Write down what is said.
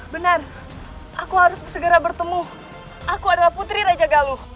benar aku harus segera bertemu aku adalah putri raja galuh